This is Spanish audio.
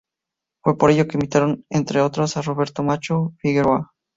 Fue por ello que invitaron entre otros a Roberto "Macho" Figueroa.